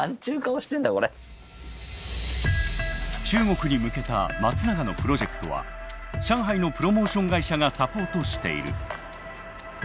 中国に向けた松永のプロジェクトは上海のプロモーション会社がサポートしている。